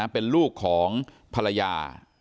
เป็นลูกของภรรยา